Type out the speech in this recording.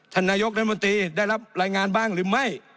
ท่านนายกรัฐมนตรีได้รับรายงานบ้างหรือไม่